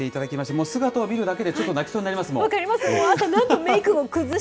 もう姿を見るだけで、ちょっと泣きそうになりますもん。